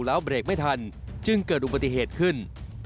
แล้วเบรกไม่ทันจึงเกิดอุบัติเหตุขึ้น